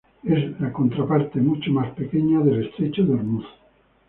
Es la contraparte, mucho más pequeña, del estrecho de Ormuz.